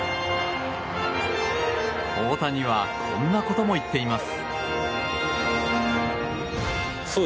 大谷はこんなことも言っています。